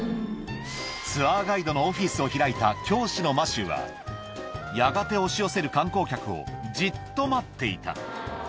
ツアーガイドのオフィスを開いた教師のマシューは、やがて押し寄せる観光客をじっと待っていた。